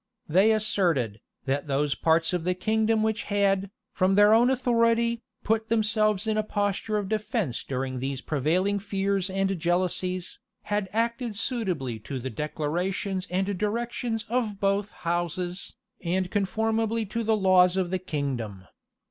They asserted, that those parts of the kingdom which had, from their own authority, put themselves in a posture of defence during these prevailing fears and jealousies, had acted suitably to the declarations and directions of both houses, and conformably to the laws of the kingdom.